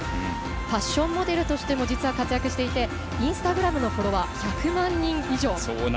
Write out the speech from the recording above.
ファッションモデルとしても実は活躍していてインスタグラムのフォロワーは１００万人以上。